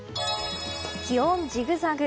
気温ジグザグ。